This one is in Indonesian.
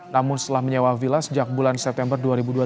namun setelah menyewa villa sejak bulan september dua ribu dua puluh